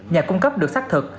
nhà cung cấp được xác thực